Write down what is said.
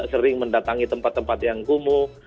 sering mendatangi tempat tempat yang kumuh